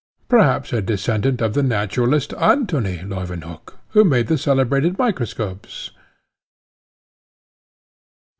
perhaps a descendant of the naturalist, Antony Leuwenhock, who made the celebrated microscopes."